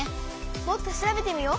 もっと調べてみよう！